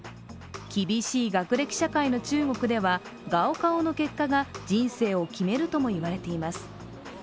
厳しい学歴社会の中国では高考の結果が人生を決めるとも言われています。